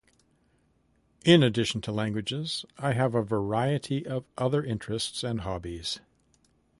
In addition to languages, I have a variety of other interests and hobbies.